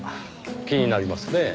気になりますねぇ。